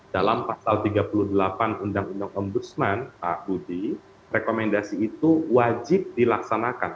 dalam pasal tiga puluh delapan undang undang ombudsman pak budi rekomendasi itu wajib dilaksanakan